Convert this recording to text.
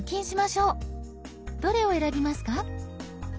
どれを選びますか？